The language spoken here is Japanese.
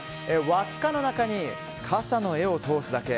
輪っかの中に傘の柄を通すだけ。